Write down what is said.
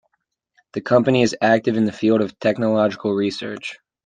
The company is active in the field of technological research.